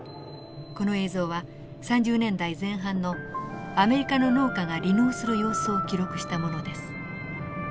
この映像は３０年代前半のアメリカの農家が離農する様子を記録したものです。